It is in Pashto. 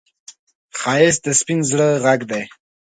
ښایست د سپين زړه غږ دی